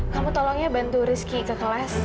kamu tolongnya bantu rizky ke kelas